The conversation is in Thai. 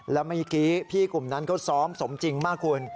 แล้วเมื่อกี้พี่กลุ่มนั้นเขาซ้อมสมจริงมากคุณ